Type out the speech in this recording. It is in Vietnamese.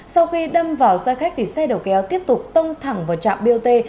sau khi đâm vào xe khách thì xe đầu kéo tiếp tục tông thẳng vào trạm biêu tê